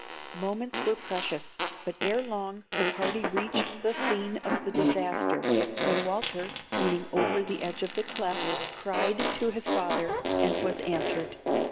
Moments were precious, but ere long the party reached the scene of the disaster, when Walter, leaning over the edge of the cleft, cried to his father, and was answered.